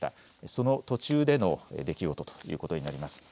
その途中での出来事ということになります。